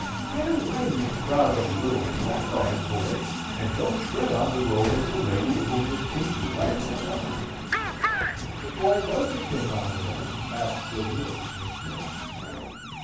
Get away, you crowd of little blackguard boys, and don't tread on the robe of the lady whom the King delights to honour." "But why does the King honour her?" ask the girls once more.